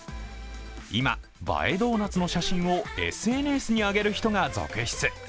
今、映えドーナツの写真をＳＮＳに上げる人が続出。